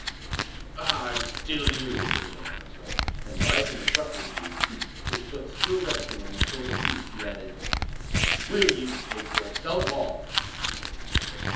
"Ah! It's still you!" said Jean Valjean, and rising abruptly to his feet, his foot still resting on the silver piece, he added:— "Will you take yourself off!"